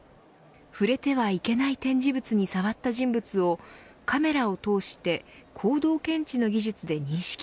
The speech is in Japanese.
触れてはいけない展示物に触った人物をカメラを通して行動検知の技術で認識。